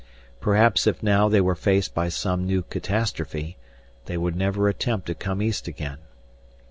Perhaps if now they were faced by some new catastrophe, they would never attempt to come east again.